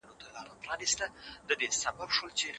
په کورنۍ کي د استادانو نصاب د ټولنیز انډول لپاره مهم دی.